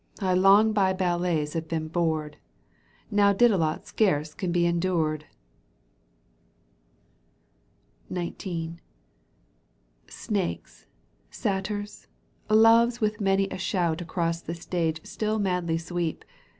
I long by ballets have been bored, Now Didelot scarce can be endured !" XIX. Snakes, satyrs, loves with many a shout Across the stage still madly sweep.